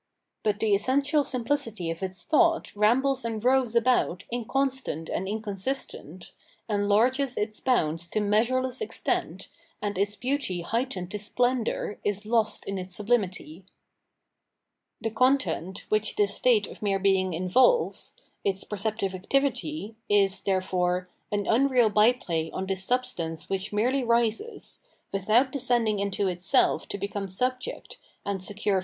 But the essential simplicity of its thought rambles and roves about inconstant and inconsistent, enlarges its bounds to measureless extent, and its beauty heightened to splendour is lost in its sublimity, f The content, which this state of mere being involves, its perceptive activity, is, therefore, an unreal by play on this substance which merely rises, without descending into itself to become subject and secure * lerm applied iii e.